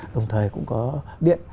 đồng thời cũng có điện